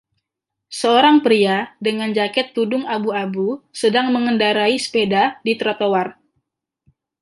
Seorang pria dengan jaket tudung abu-abu sedang mengendarai sepeda di trotoar.